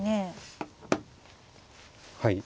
はい。